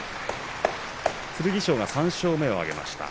剣翔が３勝目を挙げました。